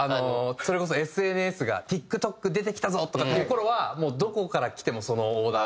それこそＳＮＳがＴｉｋＴｏｋ出てきたぞとかっていう頃はどこからきてもそのオーダー。